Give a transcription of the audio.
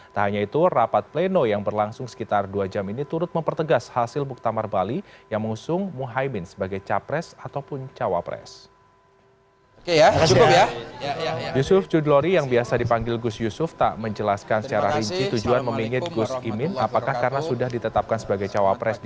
tak hanya itu rapat pleno yang berlangsung sekitar dua jam ini turut mempertegas hasil muktamar bali yang mengusung muhaymin sebagai capres ataupun cawapres